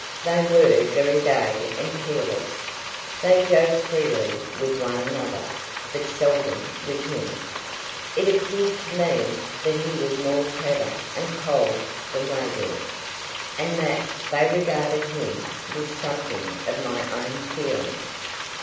They were very gay and careless. They joked freely with one another, but seldom with him. It appeared to me that he was more clever and cold than they were, and that they regarded him with something of my own feeling.